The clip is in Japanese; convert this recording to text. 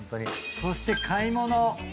そして買い物。